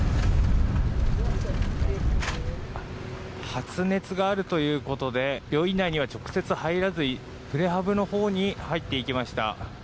発熱があるということで病院内に直接入らずにプレハブのほうに入っていきました。